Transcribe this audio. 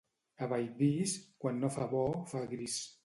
A Bellvís, quan no fa bo, fa gris.